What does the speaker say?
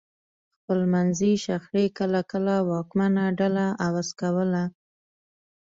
خپلمنځي شخړې کله کله واکمنه ډله عوض کوله